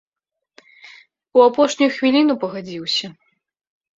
У апошнюю хвіліну пагадзіўся.